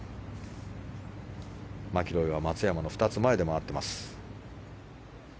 マキロイは松山の２つ前で回っています。